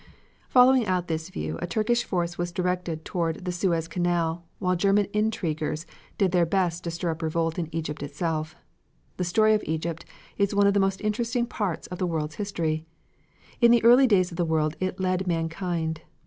Following out this view a Turkish force was directed toward the Suez Canal, while the German intriguers did their best to stir up revolt in Egypt itself. The story of Egypt is one of the most interesting parts of the world's history. In the early days of the world it led mankind.